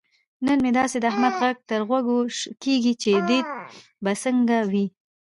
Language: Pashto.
نن مې داسې د احمد غږ تر غوږو کېږي. چې دی به څنګه وي.